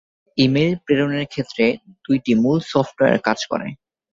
Email প্রেরণের ক্ষেত্রে দুইটি মূল সফটওয়ার কাজ করে।